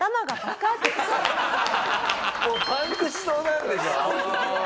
もうパンクしそうなんでしょう？